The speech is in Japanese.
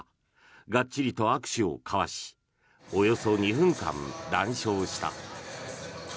がっちりと握手を交わしおよそ２分間、談笑した。